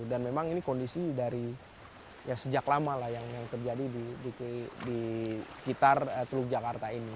dan memang ini kondisi dari ya sejak lama lah yang terjadi di sekitar teluk jakarta ini